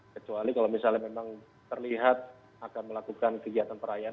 kecuali kalau misalnya memang terlihat akan melakukan kegiatan perayaan